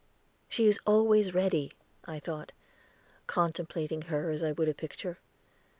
"She is always ready," I thought, contemplating her as I would a picture.